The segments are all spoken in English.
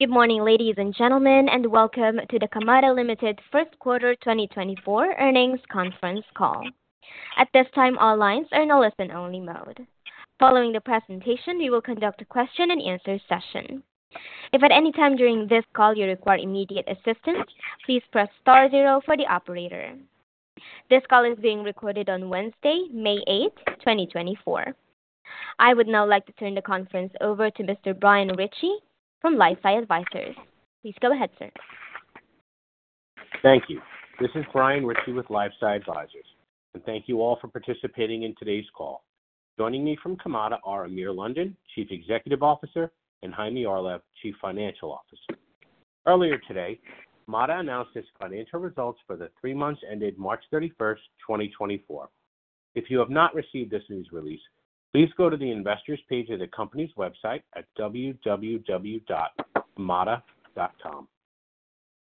Good morning, ladies and gentlemen, and welcome to the Kamada Limited First Quarter 2024 Earnings Conference Call. At this time, all lines are in a listen-only mode. Following the presentation, we will conduct a question-and-answer session. If at any time during this call you require immediate assistance, please press star 0 for the operator. This call is being recorded on Wednesday, May 8, 2024. I would now like to turn the conference over to Mr. Brian Ritchie from LifeSci Advisors. Please go ahead, sir. Thank you. This is Brian Ritchie with LifeSci Advisors, and thank you all for participating in today's call. Joining me from Kamada are Amir London, Chief Executive Officer, and Chaime Orlev, Chief Financial Officer. Earlier today, Kamada announced its financial results for the three months ended March 31, 2024. If you have not received this news release, please go to the investors page of the company's website at www.kamada.com.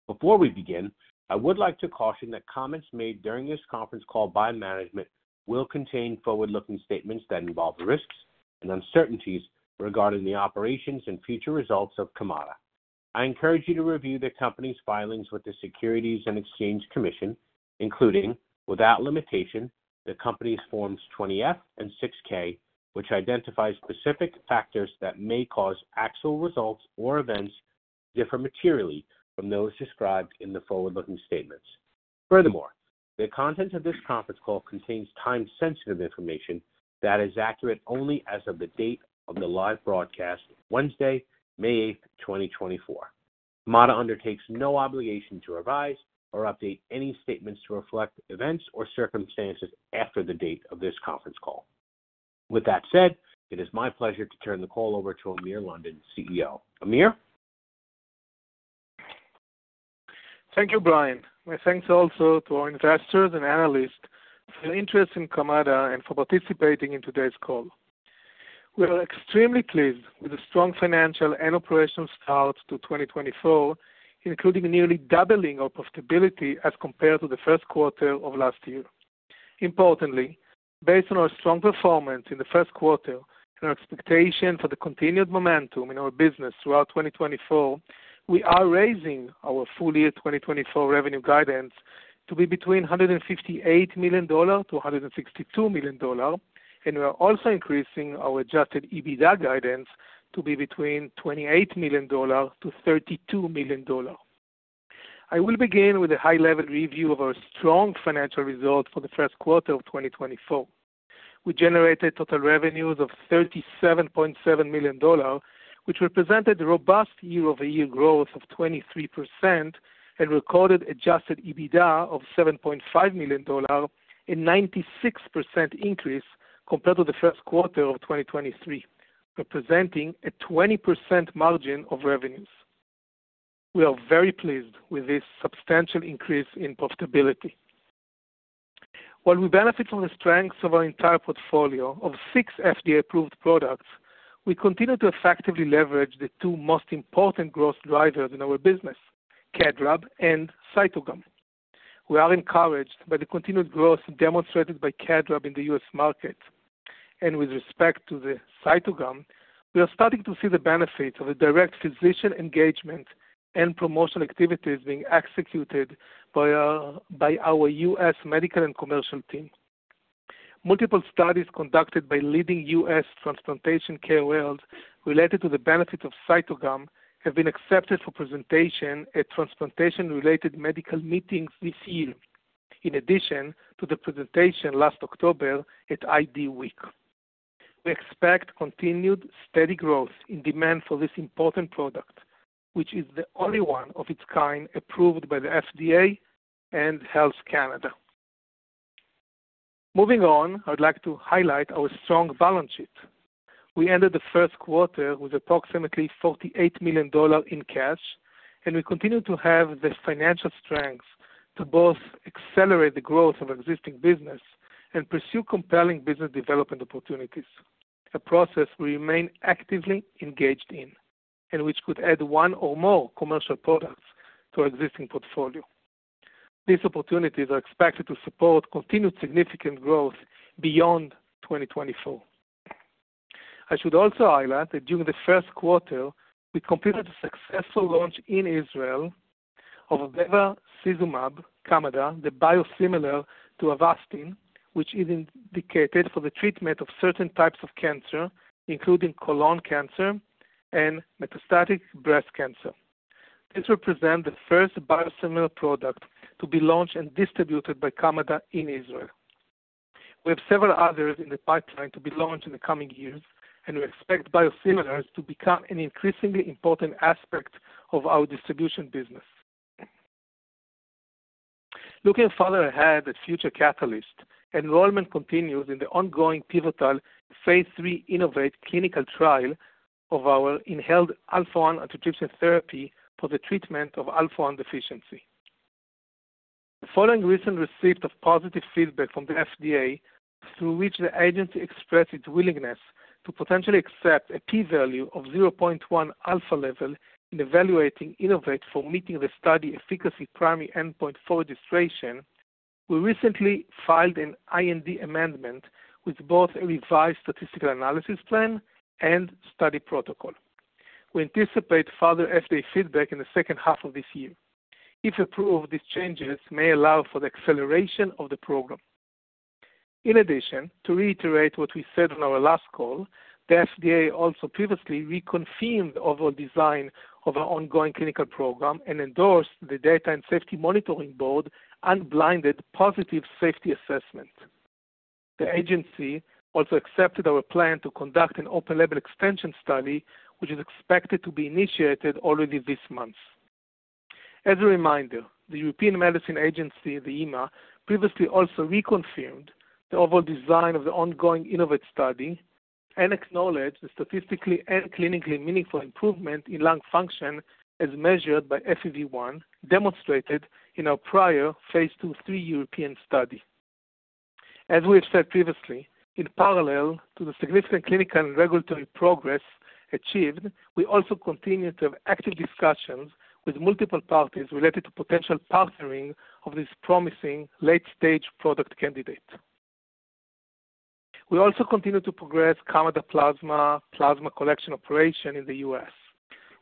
Before we begin, I would like to caution that comments made during this conference call by management will contain forward-looking statements that involve risks and uncertainties regarding the operations and future results of Kamada. I encourage you to review the company's filings with the Securities and Exchange Commission, including, without limitation, the company's Forms 20-F and 6-K, which identify specific factors that may cause actual results or events to differ materially from those described in the forward-looking statements. Furthermore, the content of this conference call contains time-sensitive information that is accurate only as of the date of the live broadcast Wednesday, May 8, 2024. Kamada undertakes no obligation to revise or update any statements to reflect events or circumstances after the date of this conference call. With that said, it is my pleasure to turn the call over to Amir London, CEO. Amir? Thank you, Brian. My thanks also to our investors and analysts for their interest in Kamada and for participating in today's call. We are extremely pleased with the strong financial and operational start to 2024, including nearly doubling our profitability as compared to the first quarter of last year. Importantly, based on our strong performance in the first quarter and our expectation for the continued momentum in our business throughout 2024, we are raising our full-year 2024 revenue guidance to be between $158 million-$162 million, and we are also increasing our adjusted EBITDA guidance to be between $28 million-$32 million. I will begin with a high-level review of our strong financial results for the first quarter of 2024. We generated total revenues of $37.7 million, which represented robust year-over-year growth of 23% and recorded adjusted EBITDA of $7.5 million, a 96% increase compared to the first quarter of 2023, representing a 20% margin of revenues. We are very pleased with this substantial increase in profitability. While we benefit from the strengths of our entire portfolio of six FDA-approved products, we continue to effectively leverage the two most important growth drivers in our business: KEDRAB and CYTOGAM. We are encouraged by the continued growth demonstrated by KEDRAB in the U.S. market, and with respect to the CYTOGAM, we are starting to see the benefits of the direct physician engagement and promotional activities being executed by our U.S. medical and commercial team. Multiple studies conducted by leading U.S. transplantation KOLs related to the benefits of CYTOGAM have been accepted for presentation at transplantation-related medical meetings this year, in addition to the presentation last October at IDWeek. We expect continued, steady growth in demand for this important product, which is the only one of its kind approved by the FDA and Health Canada. Moving on, I would like to highlight our strong balance sheet. We ended the first quarter with approximately $48 million in cash, and we continue to have the financial strengths to both accelerate the growth of our existing business and pursue compelling business development opportunities, a process we remain actively engaged in and which could add one or more commercial products to our existing portfolio. These opportunities are expected to support continued significant growth beyond 2024. I should also highlight that during the first quarter, we completed a successful launch in Israel of Bevacizumab Kamada, the biosimilar to Avastin, which is indicated for the treatment of certain types of cancer, including colon cancer and metastatic breast cancer. This represents the first biosimilar product to be launched and distributed by Kamada in Israel. We have several others in the pipeline to be launched in the coming years, and we expect biosimilars to become an increasingly important aspect of our distribution business. Looking farther ahead at future catalysts, enrollment continues in the ongoing phase III InnovAATe clinical trial of our inhaled alpha-1 antitrypsin therapy for the treatment of alpha-1 deficiency. Following the recent receipt of positive feedback from the FDA, through which the agency expressed its willingness to potentially accept a p-value of 0.1 alpha level in evaluating InnovAATe for meeting the study efficacy primary endpoint for registration, we recently filed an IND amendment with both a revised statistical analysis plan and study protocol. We anticipate further FDA feedback in the second half of this year. If approved, these changes may allow for the acceleration of the program. In addition, to reiterate what we said on our last call, the FDA also previously reconfirmed the overall design of our ongoing clinical program and endorsed the Data and Safety Monitoring Board unblinded positive safety assessment. The agency also accepted our plan to conduct an open-label extension study, which is expected to be initiated already this month. As a reminder, the European Medicines Agency, the EMA, previously also reconfirmed the overall design of the ongoing InnovAATe study and acknowledged the statistically and clinically meaningful improvement in lung function as measured by FEV1 demonstrated in our prior phase II/III European study. As we have said previously, in parallel to the significant clinical and regulatory progress achieved, we also continue to have active discussions with multiple parties related to potential partnering of this promising late-stage product candidate. We also continue to progress Kamada Plasma plasma collection operation in the U.S.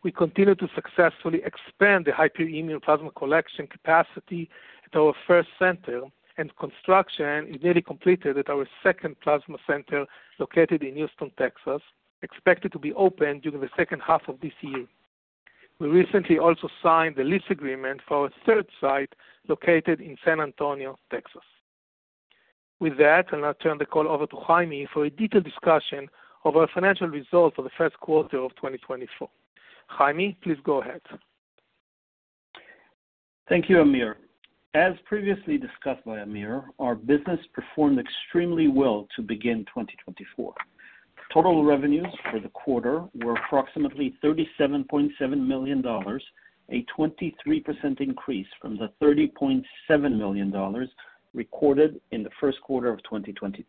We continue to successfully expand the hyperimmune plasma collection capacity at our first center, and construction is nearly completed at our second plasma center located in Houston, Texas, expected to be open during the second half of this year. We recently also signed the lease agreement for our third site located in San Antonio, Texas. With that, I'll now turn the call over to Chaime for a detailed discussion of our financial results for the first quarter of 2024. Chaime, please go ahead. Thank you, Amir. As previously discussed by Amir, our business performed extremely well to begin 2024. Total revenues for the quarter were approximately $37.7 million, a 23% increase from the $30.7 million recorded in the first quarter of 2023.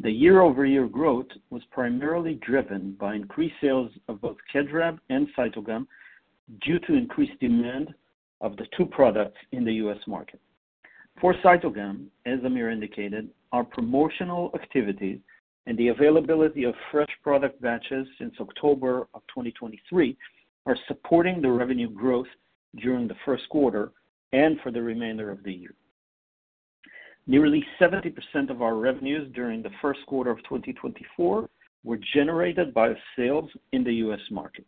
The year-over-year growth was primarily driven by increased sales of both KEDRAB and CYTOGAM due to increased demand of the two products in the U.S. market. For CYTOGAM, as Amir indicated, our promotional activities and the availability of fresh product batches since October of 2023 are supporting the revenue growth during the first quarter and for the remainder of the year. Nearly 70% of our revenues during the first quarter of 2024 were generated by sales in the U.S. market.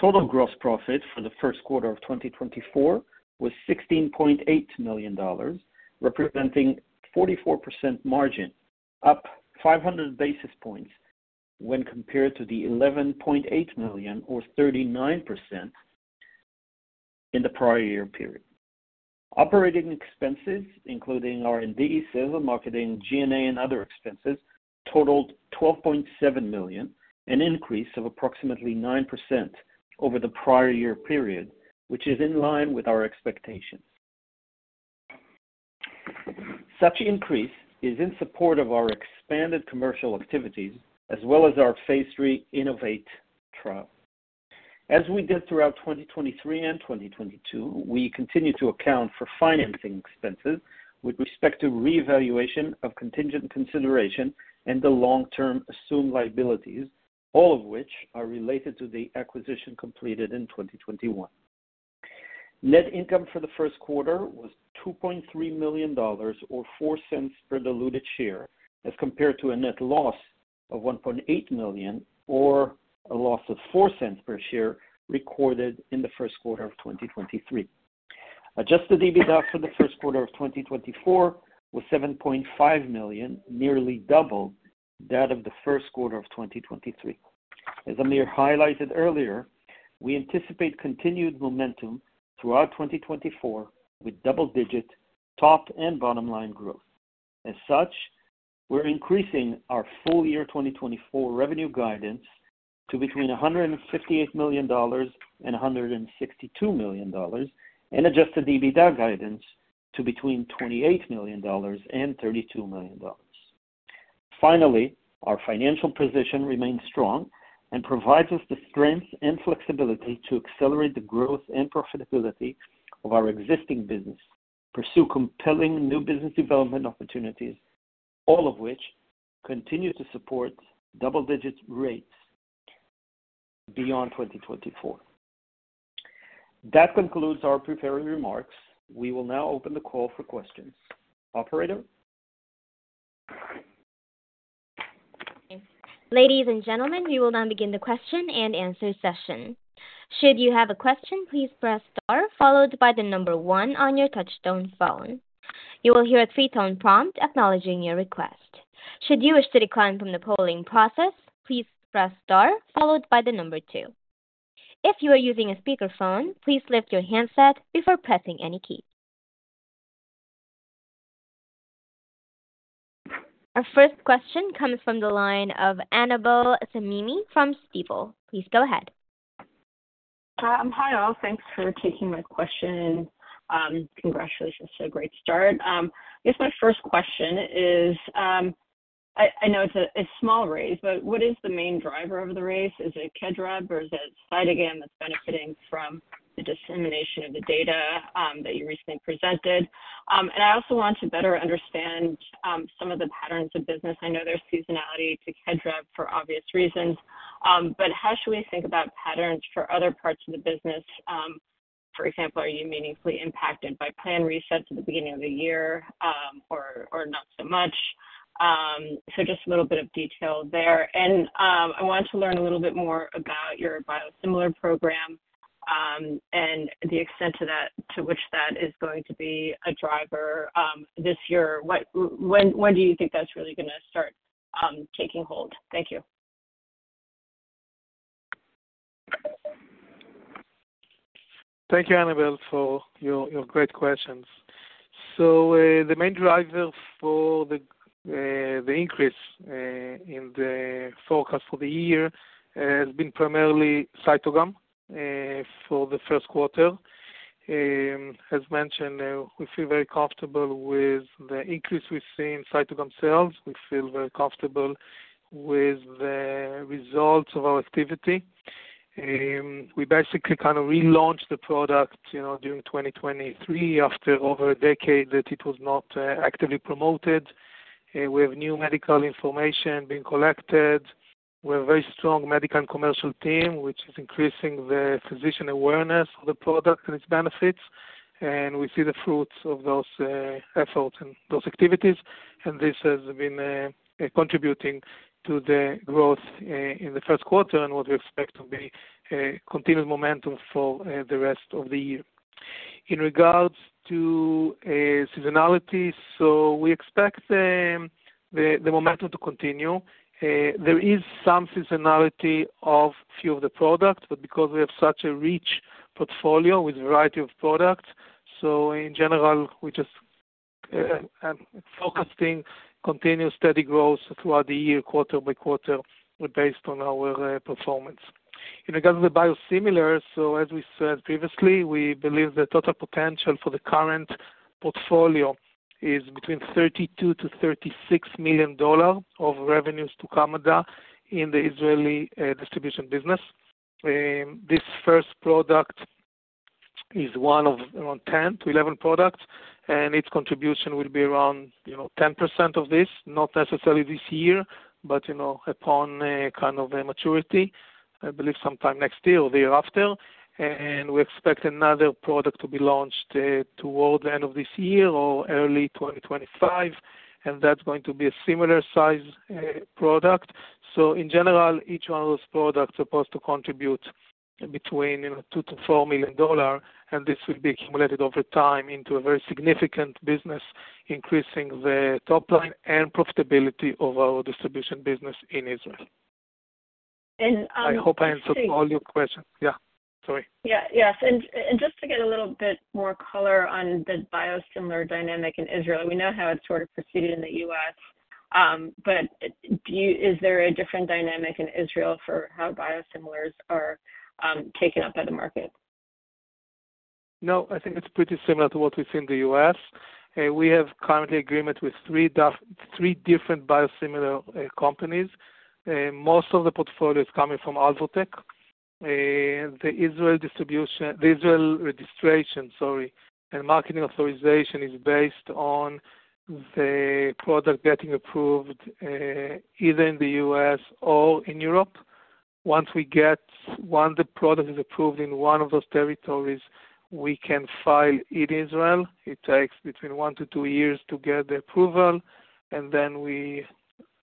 Total gross profit for the first quarter of 2024 was $16.8 million, representing a 44% margin, up 500 basis points when compared to the $11.8 million or 39% in the prior year period. Operating expenses, including R&D, sales, marketing, G&A, and other expenses, totaled $12.7 million, an increase of approximately 9% over the prior year period, which is in line with our expectations. Such an increase is in support of our expanded commercial activities as well as phase III InnovAATe trial. As we did throughout 2023 and 2022, we continue to account for financing expenses with respect to reevaluation of contingent consideration and the long-term assumed liabilities, all of which are related to the acquisition completed in 2021. Net income for the first quarter was $2.3 million or $0.04 per diluted share as compared to a net loss of $1.8 million or a loss of $0.04 per share recorded in the first quarter of 2023. Adjusted EBITDA for the first quarter of 2024 was $7.5 million, nearly double that of the first quarter of 2023. As Amir highlighted earlier, we anticipate continued momentum throughout 2024 with double-digit top and bottom line growth. As such, we're increasing our full-year 2024 revenue guidance to between $158 million and $162 million, and adjusted EBITDA guidance to between $28 million and $32 million. Finally, our financial position remains strong and provides us the strength and flexibility to accelerate the growth and profitability of our existing business, pursue compelling new business development opportunities, all of which continue to support double-digit rates beyond 2024. That concludes our prepared remarks. We will now open the call for questions. Operator? Ladies and gentlemen, we will now begin the question and answer session. Should you have a question, please press * followed by the number one on your touch-tone phone. You will hear a three-tone prompt acknowledging your request. Should you wish to decline from the polling process, please press star followed by the number two. If you are using a speakerphone, please lift your handset before pressing any key. Our first question comes from the line of Annabel Samimy from Stifel. Please go ahead. Hi, all. Thanks for taking my question. Congratulations. It's a great start. I guess my first question is I know it's a small raise, but what is the main driver of the raise? Is it KEDRAB, or is it CYTOGAM that's benefiting from the dissemination of the data that you recently presented? And I also want to better understand some of the patterns of business. I know there's seasonality to KEDRAB for obvious reasons, but how should we think about patterns for other parts of the business? For example, are you meaningfully impacted by plan resets at the beginning of the year or not so much? So just a little bit of detail there. And I wanted to learn a little bit more about your biosimilar program and the extent to which that is going to be a driver this year. When do you think that's really going to start taking hold? Thank you. Thank you, Annabel, for your great questions. So the main driver for the increase in the forecast for the year has been primarily CYTOGAM for the first quarter. As mentioned, we feel very comfortable with the increase we've seen in CYTOGAM sales. We feel very comfortable with the results of our activity. We basically kind of relaunched the product during 2023 after over a decade that it was not actively promoted. We have new medical information being collected. We have a very strong medical and commercial team, which is increasing the physician awareness of the product and its benefits. And we see the fruits of those efforts and those activities, and this has been contributing to the growth in the first quarter and what we expect to be continued momentum for the rest of the year. In regards to seasonality, so we expect the momentum to continue. There is some seasonality of a few of the products, but because we have such a rich portfolio with a variety of products, so in general, we're just focusing continued, steady growth throughout the year, quarter by quarter, based on our performance. In regards to the biosimilar, so as we said previously, we believe the total potential for the current portfolio is between $32 million-$36 million of revenues to Kamada in the Israeli distribution business. This first product is one of around 10-11 products, and its contribution will be around 10% of this, not necessarily this year, but upon kind of maturity, I believe sometime next year or the year after. We expect another product to be launched toward the end of this year or early 2025, and that's going to be a similar-sized product. So in general, each one of those products is supposed to contribute between $2 million-$4 million, and this will be accumulated over time into a very significant business, increasing the top line and profitability of our distribution business in Israel. I hope I answered all your questions. Yeah. Sorry. Yes. Just to get a little bit more color on the biosimilar dynamic in Israel, we know how it's sort of proceeded in the U.S., but is there a different dynamic in Israel for how biosimilars are taken up by the market? No. I think it's pretty similar to what we've seen in the U.S. We have currently agreement with three different biosimilar companies. Most of the portfolio is coming from Alvotech. The Israel registration, sorry, and marketing authorization is based on the product getting approved either in the U.S. or in Europe. Once the product is approved in one of those territories, we can file it in Israel. It takes between one to two years to get the approval. And then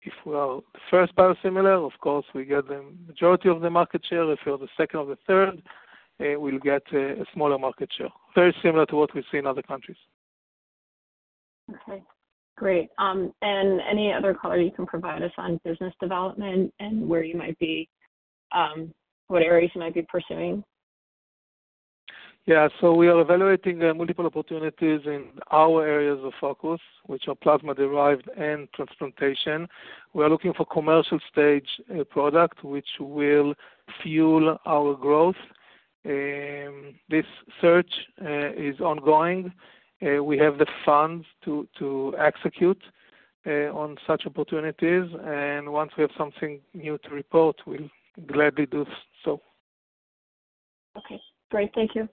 if we are the first biosimilar, of course, we get the majority of the market share. If we are the second or the third, we'll get a smaller market share, very similar to what we've seen in other countries. Okay. Great. And any other color you can provide us on business development and where you might be what areas you might be pursuing? Yeah. So we are evaluating multiple opportunities in our areas of focus, which are plasma-derived and transplantation. We are looking for a commercial-stage product which will fuel our growth. This search is ongoing. We have the funds to execute on such opportunities, and once we have something new to report, we'll gladly do so. Okay. Great. Thank you.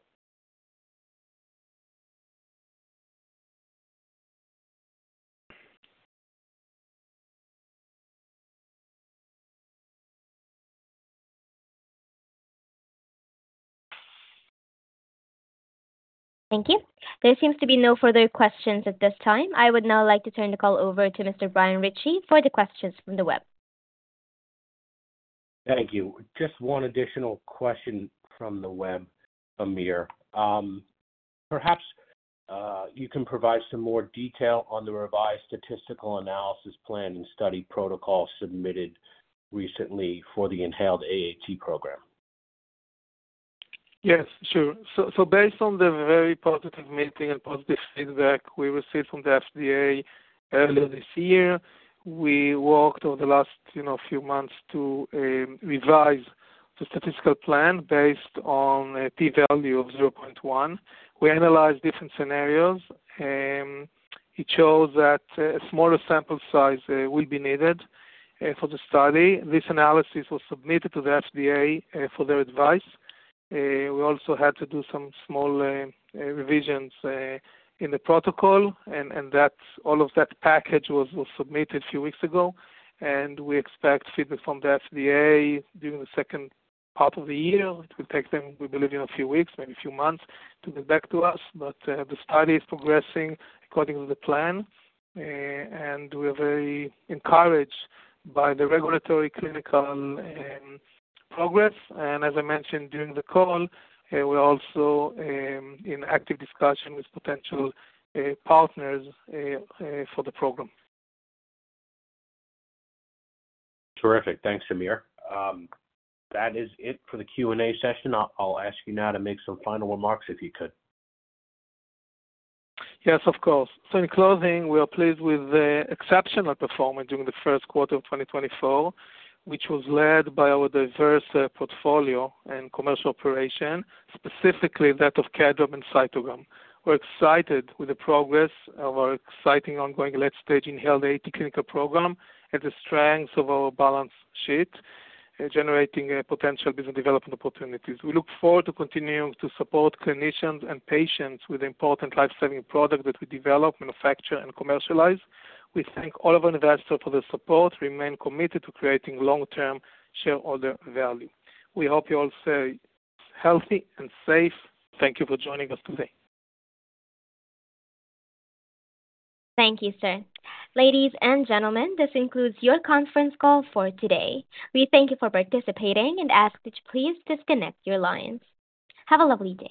Thank you. There seems to be no further questions at this time. I would now like to turn the call over to Mr. Brian Ritchie for the questions from the web. Thank you. Just one additional question from the web, Amir. Perhaps you can provide some more detail on the revised statistical analysis plan and study protocol submitted recently for the Inhaled AAT program. Yes. Sure. So based on the very positive meeting and positive feedback we received from the FDA earlier this year, we worked over the last few months to revise the statistical plan based on a p-value of 0.1. We analyzed different scenarios, and it shows that a smaller sample size will be needed for the study. This analysis was submitted to the FDA for their advice. We also had to do some small revisions in the protocol, and all of that package was submitted a few weeks ago. And we expect feedback from the FDA during the second part of the year. It will take them, we believe, a few weeks, maybe a few months, to get back to us. But the study is progressing according to the plan, and we are very encouraged by the regulatory clinical progress. As I mentioned during the call, we're also in active discussion with potential partners for the program. Terrific. Thanks, Amir. That is it for the Q&A session. I'll ask you now to make some final remarks if you could. Yes, of course. So in closing, we are pleased with the exceptional performance during the first quarter of 2024, which was led by our diverse portfolio and commercial operation, specifically that of KEDRAB and CYTOGAM. We're excited with the progress of our exciting ongoing late-stage Inhaled AAT clinical program and the strengths of our balance sheet, generating potential business development opportunities. We look forward to continuing to support clinicians and patients with the important lifesaving product that we develop, manufacture, and commercialize. We thank all of our investors for their support. We remain committed to creating long-term shareholder value. We hope you all stay healthy and safe. Thank you for joining us today. Thank you, sir. Ladies and gentlemen, this includes your conference call for today. We thank you for participating and ask that you please disconnect your lines. Have a lovely day.